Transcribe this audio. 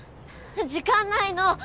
時間ないの！